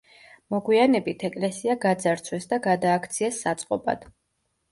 მოგვიანებით, ეკლესია გაძარცვეს და გადააქციეს საწყობად.